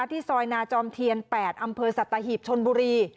ซอยนาจอมเทียน๘อำเภอสัตหีบชนบุรี